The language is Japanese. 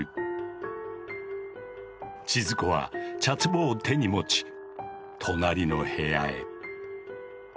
千鶴子は茶壺を手に持ち隣の部屋へ。